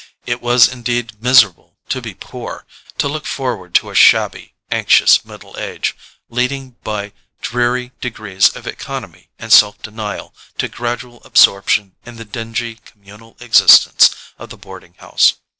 It was indeed miserable to be poor—to look forward to a shabby, anxious middle age, leading by dreary degrees of economy and self denial to gradual absorption in the dingy communal existence of the boarding house.